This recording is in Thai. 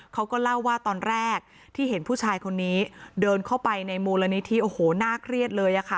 เขาก็เล่าว่าตอนแรกที่เห็นผู้ชายคนนี้เดินเข้าไปในมูลนิธิโอ้โหน่าเครียดเลยอะค่ะ